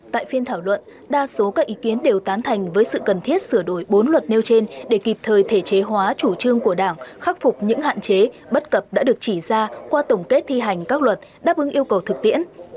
tại phiên thảo luận đa số các ý kiến đều tán thành với sự cần thiết sửa đổi bốn luật nêu trên để kịp thời thể chế hóa chủ trương của đảng khắc phục những hạn chế bất cập đã được chỉ ra qua tổng kết thi hành các luật đáp ứng yêu cầu thực tiễn